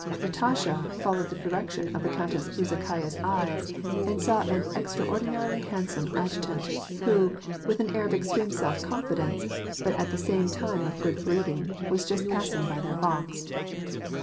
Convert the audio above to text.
Natasha followed the direction of the Countess Bezukhaya's eyes, and saw an extraordinarily handsome adju tant, who, with an air of extreme self confidence, but at the same time of good breeding, was just passing by their box.